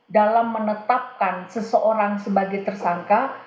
dalam menetapkan seseorang sebagai tersangka